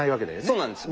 そうなんです。